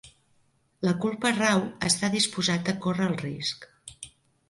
La culpa rau a estar disposat a córrer el risc.